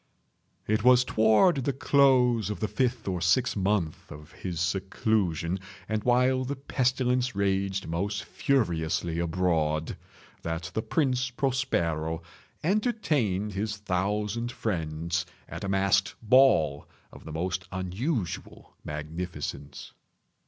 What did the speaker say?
It was toward the close of the fifth or sixth month of his seclusion, and while the pestilence raged most furiously abroad, that the Prince Prospero entertained his thousand friends at a masked ball of the most unusual magnificence.